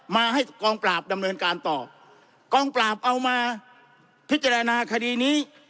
มาให้กองปราบดำเนินการต่อกองปราบเอามาพิจารณาคดีนี้